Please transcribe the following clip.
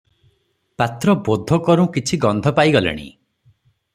ପାତ୍ର ବୋଧ କରୁଁ କିଛି ଗନ୍ଧ ପାଇ ଗଲେଣି ।